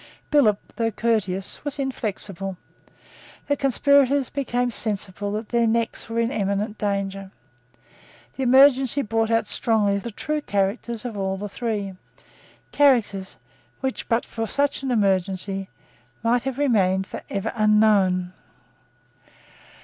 Billop, though courteous, was inflexible. The conspirators became sensible that their necks were in imminent danger. The emergency brought out strongly the true characters of all the three, characters which, but for such an emergency, might have remained for ever unknown.